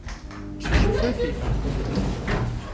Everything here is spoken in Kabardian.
Plhıjıfe fi'e?